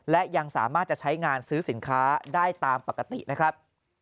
และยังสามารถจะใช้งานซื้อสินค้าได้ตามปกตินะครับ